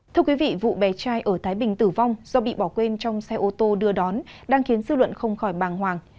thưa quý vị vụ bé trai ở thái bình tử vong do bị bỏ quên trong xe ô tô đưa đón đang khiến dư luận không khỏi bàng hoàng